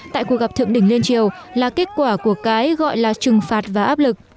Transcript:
tại cuộc gặp thượng đỉnh liên triều là kết quả của cái gọi là trừng phạt và áp lực